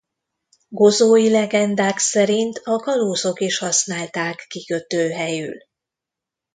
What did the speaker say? Gozói legendák szerint a kalózok is használták kikötőhelyül.